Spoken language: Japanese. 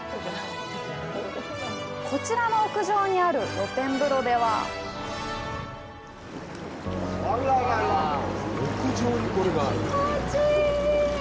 こちらの屋上にある露天風呂ではあっ、気持ちいい！